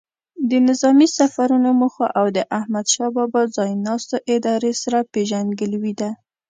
د نظامي سفرونو موخو او د احمدشاه بابا ځای ناستو ادارې سره پیژندګلوي ده.